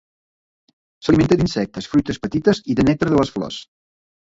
S'alimenta d'insectes, fruites petites i de nèctar de les flors.